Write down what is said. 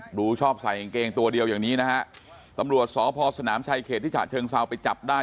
ดูชอบใส่กางเกงตัวเดียวอย่างนี้นะฮะตำรวจสพสนามชายเขตที่ฉะเชิงเซาไปจับได้